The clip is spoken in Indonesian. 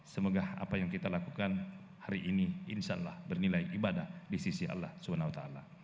semoga apa yang kita lakukan hari ini insya allah bernilai ibadah di sisi allah swt